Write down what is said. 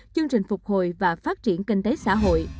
chương trình phục hồi và phát triển kinh tế xã hội